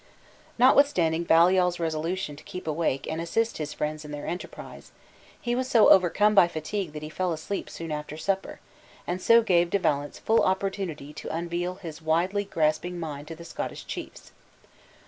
Notwithstanding Baliol's resolution to keep awake and assist his friends in their enterprise, he was so overcome by fatigue that he fell asleep soon after supper, and so gave De Valence full opportunity to unveil his widely grasping mind to the Scottish chiefs.